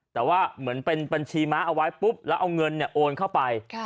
แต่ว่าเหมือนเป็นบัญชีม้าเอาไว้ปุ๊บแล้วเอาเงินโอนเข้าไป